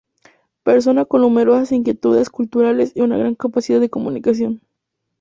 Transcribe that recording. Persona con numerosas inquietudes culturales y una gran capacidad de comunicación.